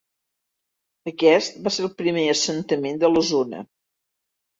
Aquest va ser el primer assentament de la zona.